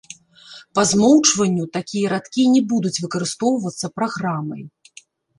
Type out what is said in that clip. Па змоўчванню, такія радкі не будуць выкарыстоўваюцца праграмай.